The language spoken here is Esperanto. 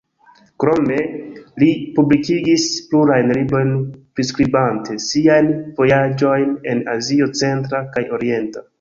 Krome, li publikigis plurajn librojn priskribante siajn vojaĝojn en Azio centra kaj orienta.